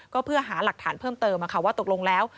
ก็เพื่อหาหลักฐานเพิ่มเติมว่าตกลงแล้ว